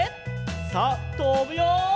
さあとぶよ！